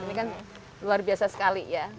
ini kan luar biasa sekali ya